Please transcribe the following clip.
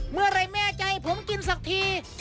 เมื่ออะไรแม่ใจผมกินสักที